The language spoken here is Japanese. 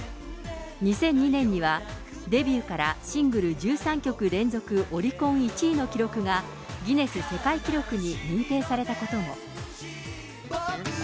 ２００２年には、デビューからシングル１３曲連続オリコン１位の記録が、ギネス世界記録に認定されたことも。